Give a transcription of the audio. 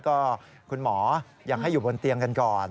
ก็คุณหมอยังให้อยู่บนเตียงกันก่อน